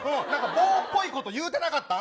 棒っぽいこと言うてなかった。